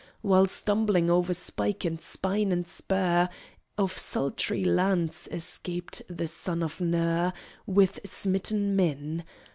While stumbling over spike and spine and spur Of sultry lands, escaped the son of Ner With smitten men.